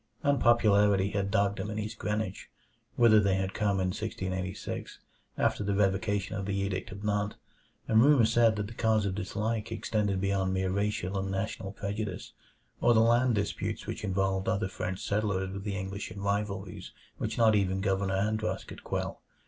Unpopularity had dogged them in East Greenwich, whither they had come in 1686, after the revocation of the Edict of Nantes, and rumor said that the cause of dislike extended beyond mere racial and national prejudice, or the land disputes which involved other French settlers with the English in rivalries which not even Governor Andros could quell.